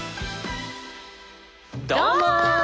どうも。